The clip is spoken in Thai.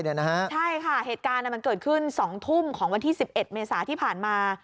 ใช่ค่ะเหตุการณ์มันเกิดขึ้น๒ทุ่มของวันที่๑๑เมษาที่ผ่านมา